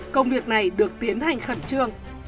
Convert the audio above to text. công việc này được tiến hành khẩn trương